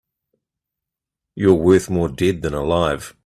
You're worth more dead than alive.